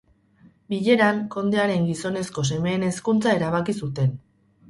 Bileran, kondearen gizonezko semeen hezkuntza erabaki zuten.